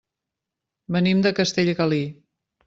Venim de Castellgalí.